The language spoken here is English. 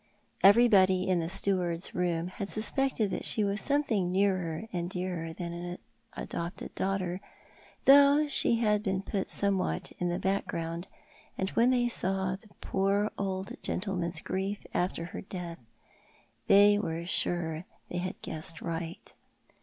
Every body in the steward's room had suspected that she was something nearer and dearer than an adopted daughter, though she had been put somewhat in the background ; and when they saw the poor old gentleman's grief after her death they were sure they bad guessed right.